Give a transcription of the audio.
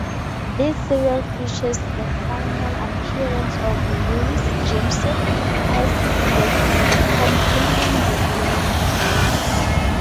This serial features the final appearance of Louise Jameson as the companion Leela.